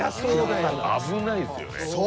危ないですよね。